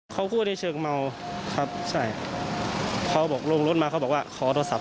เขาพูดในเชิงเมาครับใช่พอบอกลงรถมาเขาบอกว่าขอโทรศัพ